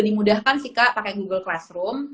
dimudahkan sih kak pakai google classroom